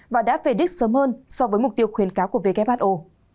và đã về đích sớm hơn so với mục tiêu khuyến cáo của who